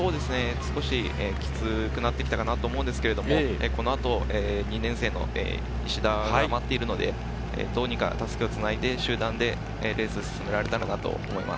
少しきつくなってきたかなと思うんですけど、このあと２年生の石田が待っているのでどうにか襷をつないで、集団でレースを進められたらなと思います。